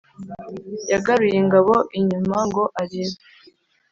yagaruye ingabo inyuma ngo arebe